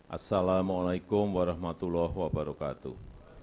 assalamu alaikum warahmatullahi wabarakatuh